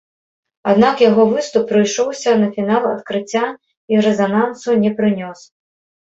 Аднак яго выступ прыйшоўся на фінал адкрыцця і рэзанансу не прынёс.